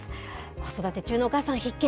子育て中のお母さん必見。